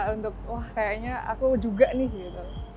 untuk wah kayaknya aku juga nih gitu